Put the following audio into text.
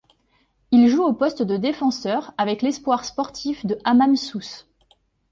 Il joue au poste de défenseur avec l'Espoir sportif de Hammam Sousse.